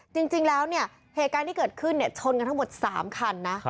จริงแล้วเนี่ยเหตุการณ์ที่เกิดขึ้นชนกันทั้งหมด๓คันนะ